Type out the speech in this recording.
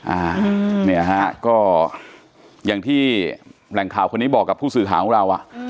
อ่าเนี่ยฮะก็อย่างที่แหล่งข่าวคนนี้บอกกับผู้สื่อข่าวของเราอ่ะ